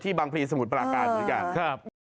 บางพลีสมุทรปราการเหมือนกัน